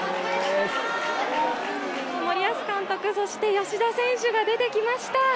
森保監督、そして吉田選手が出てきました。